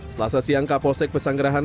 selasa siang kapolsek pesanggerahan